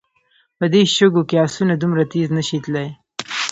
په دې شګو کې آسونه دومره تېز نه شي تلای.